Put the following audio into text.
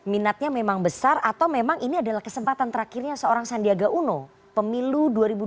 minatnya memang besar atau memang ini adalah kesempatan terakhirnya seorang sandiaga uno pemilu dua ribu dua puluh